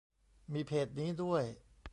มีเพจนี้ด้วย